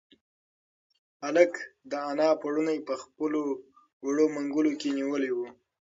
هلک د انا پړونی په خپلو وړو منگولو کې نیولی و.